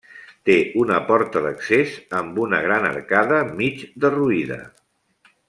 Té una porta d'accés amb una gran arcada mig derruïda.